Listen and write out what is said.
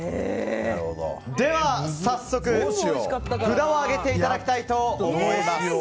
では早速、札を上げていただきたいと思います。